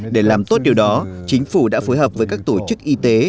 để làm tốt điều đó chính phủ đã phối hợp với các tổ chức y tế